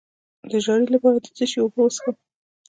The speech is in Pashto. د ژیړي لپاره د څه شي اوبه وڅښم؟